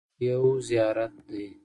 یو زیارت دی.